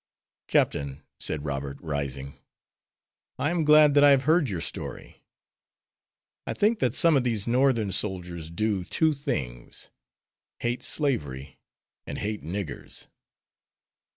"Captain," said Robert, rising, "I am glad that I have heard your story. I think that some of these Northern soldiers do two things hate slavery and hate niggers."